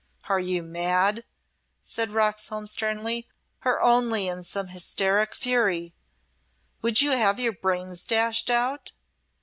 "Are you mad?" said Roxholm, sternly, "or only in some hysteric fury? Would you have your brains dashed out?"